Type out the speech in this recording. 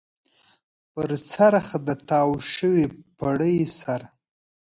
پر څرخ د تاو شوي پړي سر.